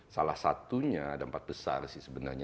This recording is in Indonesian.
salah satunya ada empat besar sih sebenarnya